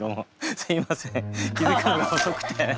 すいません気付くのが遅くて。